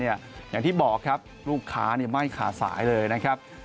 อย่างที่บอกครับลูกค้าไม่ขาดสายเลยนะครับ